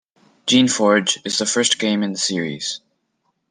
"Geneforge" is the first game in the series.